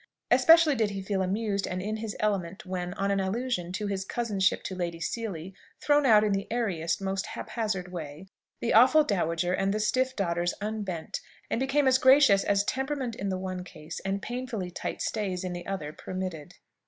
Especially did he feel amused and in his element when, on an allusion to his cousinship to Lady Seely, thrown out in the airiest, most haphazard way, the awful dowager and the stiff daughters unbent, and became as gracious as temperament in the one case, and painfully tight stays in the other, permitted.